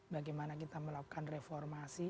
bagaimana kita melakukan reformasi